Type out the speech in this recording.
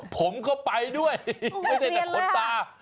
ผมก็ไปด้วยไม่ได้แต่ขนตา